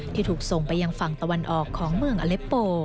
ถูกส่งไปยังฝั่งตะวันออกของเมืองอเล็ปโป